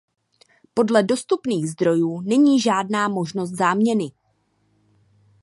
Podle dostupných zdrojů není žádná možnost záměny.